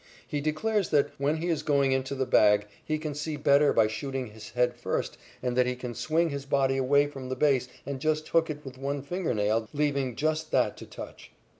He declares that, when he is going into the bag, he can see better by shooting his head first and that he can swing his body away from the base and just hook it with one finger nail, leaving just that to touch.